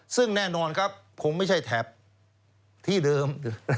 ซึ่งแน่นอนครับคงไม่ใช่แถบที่เดิม